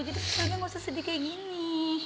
jadi poselnya gak usah sedih kayak gini